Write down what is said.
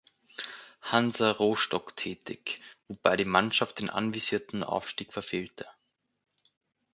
Hansa Rostock tätig, wobei die Mannschaft den anvisierten Aufstieg verfehlte.